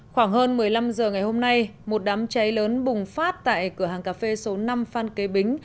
khoảng hơn một mươi năm h ngày hôm nay một đám cháy lớn bùng phát tại cửa hàng cà phê số năm phan kế bính